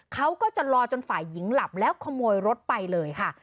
เขาก็จะรอจนฝ่ายหญิงหลับแล้วขโมยรถไปเลยค่ะ